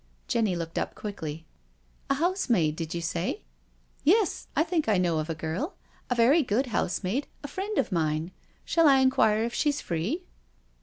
" Jenny looked up quickly. *' A housemaid, did you say? Yes, I think I know of a girl — a very good housemaid — a friend of mine. Shall I inquire if she's free?"